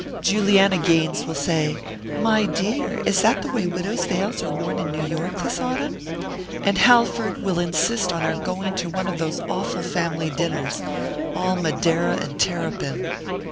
Juliana Gaines will say: 'My dear, is that the way widows' veils are worn in New York this autumn?' and Halford will insist on our going to one of those awful family dinners, all Madeira and terrapin."